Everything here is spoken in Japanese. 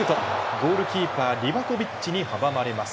ゴールキーパーリバコビッチに阻まれます。